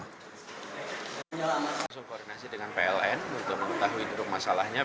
kita langsung koordinasi dengan pln untuk mengetahui masalahnya